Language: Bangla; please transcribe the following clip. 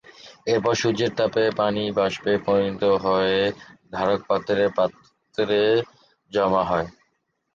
এরপর সূর্যের তাপে পানি বাষ্পে পরিণত হয়ে ধারকপাত্রে পাত্রে জমা হয়।